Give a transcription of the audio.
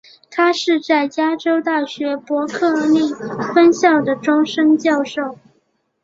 他是在加州大学伯克利分校的终身教授。